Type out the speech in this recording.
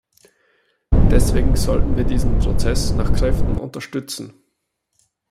Deswegen sollten wir diesen Prozess nach Kräften unterstützen.